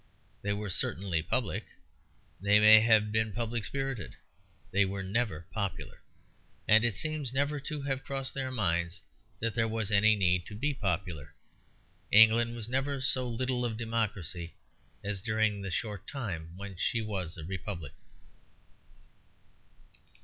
They were certainly public, they may have been public spirited, they were never popular; and it seems never to have crossed their minds that there was any need to be popular. England was never so little of a democracy as during the short time when she was a republic.